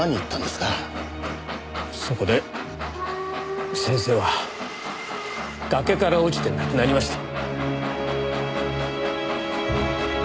そこで先生は崖から落ちて亡くなりました。